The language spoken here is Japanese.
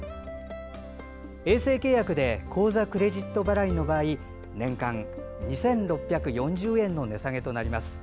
衛星契約で口座・クレジット払いの場合年間２６４０円の値下げとなります。